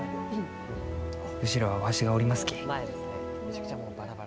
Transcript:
後ろは、わしがおりますき。